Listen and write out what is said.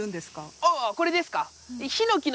ああこれですか？